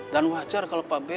dan wajar kalau pak w